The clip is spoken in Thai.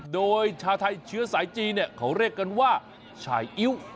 โดยชาวไทยเชื้อสายจีนเนี่ยเขาเรียกกันว่าชายอิ๊ว